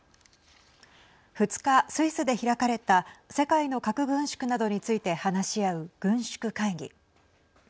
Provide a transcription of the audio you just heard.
２日、スイスで開かれた世界の核軍縮などについて話し合う軍縮会議。